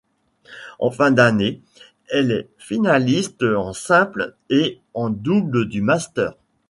En fin d'année, elle est finaliste en simple et en double du Masters.